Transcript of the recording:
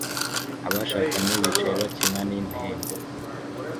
Abashakanye bicaye bakina Nintendo